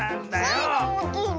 スイがおおきいの！